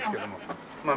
まあ